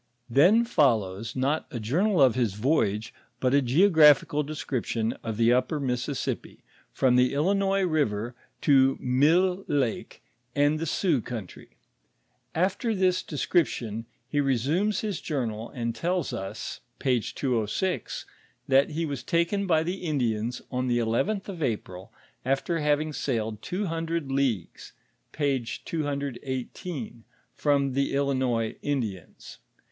Then follows, not a journal of his voyoge, but a geographical description of the upper Mississippi, from the Illinois river to Mille lake and the Sioux country. After this descrip tion, he resumes his journal and tells us (p. 206), that he was taken by the Indians on the eleventh of April, after having sailed two hundred leagues (p. 21 P), from the Illinois (Indians).